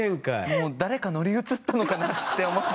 もう誰か乗り移ったのかなって思って。